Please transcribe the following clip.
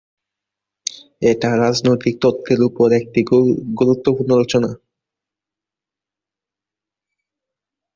এটি রাজনৈতিক তত্ত্বের উপর একটি গুরুত্বপূর্ণ রচনা।